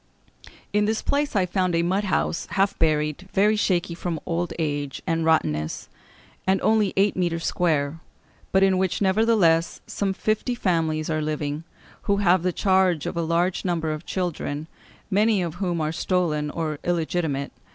In this place I found a mud house, half buried, very shaky from old age and rottenness, and only eight mètres square; but in which, nevertheless, some fifty families are living, who have the charge of a large number of children, many of whom are stolen or illegitimate....